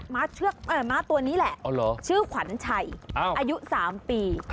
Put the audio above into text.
ม้าตัวนี้แหละชื่อขวัญชัยอายุ๓ปี